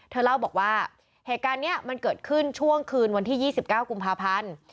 เธอเล่าบอกว่าเหตุการณ์นี้มันเกิดขึ้นช่วงคืนวันที่๒๙กุมภาพันธ์